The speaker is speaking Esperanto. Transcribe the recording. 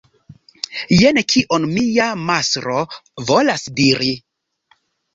Jen kion mia mastro volas diri.